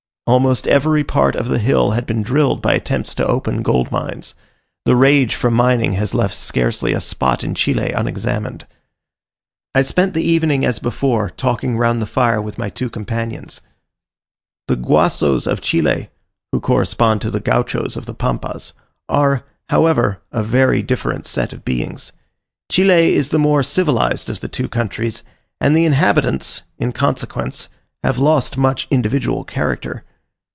Almost every part of the hill had been drilled by attempts to open gold mines: the rage for mining has left scarcely a spot in Chile unexamined. I spent the evening as before, talking round the fire with my two companions. The Guasos of Chile, who correspond to the Gauchos of the Pampas, are, however, a very different set of beings. Chile is the more civilized of the two countries, and the inhabitants, in consequence, have lost much individual character.